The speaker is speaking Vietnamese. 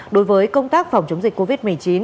đối với công tác phòng chống dịch covid một mươi chín